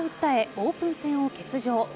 オープン戦を欠場。